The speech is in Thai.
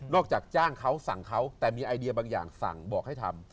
จากจ้างเขาสั่งเขาแต่มีไอเดียบางอย่างสั่งบอกให้ทำ